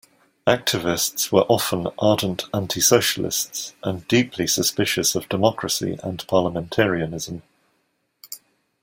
Activists were often ardent anti-Socialists and deeply suspicious of democracy and parliamentarism.